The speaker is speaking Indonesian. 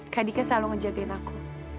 kak dika selalu ngejadain aku